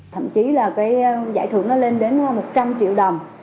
thậm chí là cái giải thưởng nó lên đến một trăm linh triệu đồng